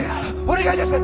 お願いです！